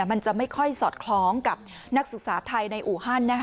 มันจะไม่ค่อยสอดคล้องกับนักศึกษาไทยในอูฮันนะคะ